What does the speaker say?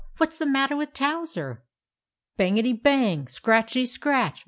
" What s the matter with Towser ?" Bangety bang ! scratchety scratch